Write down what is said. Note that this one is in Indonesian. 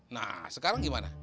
nah sekarang gimana